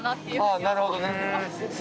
ああなるほどね。